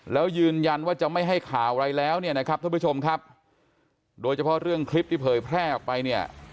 แล้วยืนยันว่าจะไม่ให้ข่าวอะไรแล้วเนี่ยนะครับท่านผู้ชมครับโดยเฉพาะเรื่องคลิปที่เผยแพร่ออกไปเนี่ย